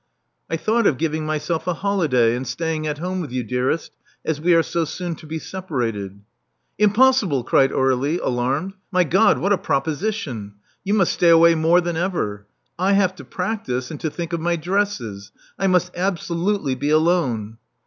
I thought of giving myself a holiday, and staying at home with you, dearest, as we are so soon to be separated." Impossible," cried Aur^lie, alarmed. My God, what a proposition ! You must stay away more than ever. I have to practise, and to think of my dresses: I must absolutely be alone."